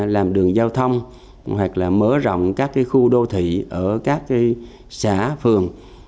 làm đường giao thông hoặc là mở rộng các khu đô thị ở các xã phường